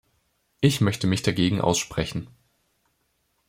Ich möchte mich dagegen aussprechen.